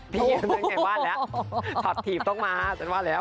พี่นั่งไงว่าแล้วถัดถีบต้องมาฮะ